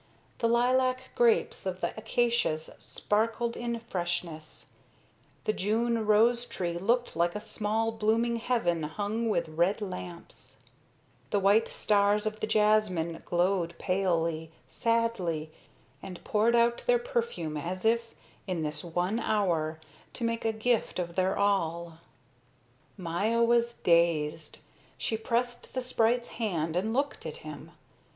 The lilac grapes of the acacias sparkled in freshness, the June rose tree looked like a small blooming heaven hung with red lamps, the white stars of the jasmine glowed palely, sadly, and poured out their perfume as if, in this one hour, to make a gift of their all. Maya was dazed. She pressed the sprite's hand and looked at him.